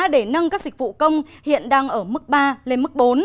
để nâng các dịch vụ công hiện đang ở mức ba lên mức bốn